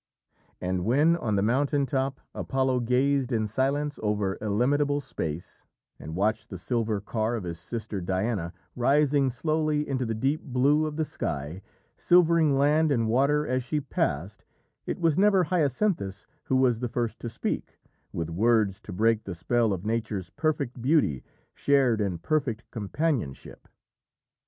And when, on the mountain top, Apollo gazed in silence over illimitable space, and watched the silver car of his sister Diana rising slowly into the deep blue of the sky, silvering land and water as she passed, it was never Hyacinthus who was the first to speak with words to break the spell of Nature's perfect beauty, shared in perfect companionship.